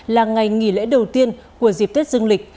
là ngày nghỉ lễ đầu tiên của dịp tết dương lịch